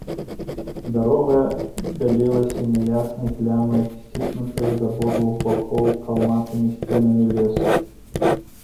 Дарога бялелася няяснай плямай, сціснутая з абодвух бакоў калматымі сценамі лесу.